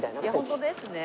本当ですね。